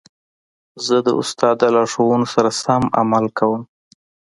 زه د استاد د لارښوونو سره سم عمل کوم.